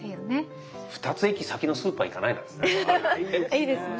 いいですね。